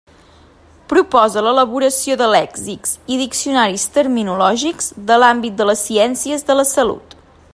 Proposa l'elaboració de lèxics i diccionaris terminològics de l'àmbit de les ciències de la salut.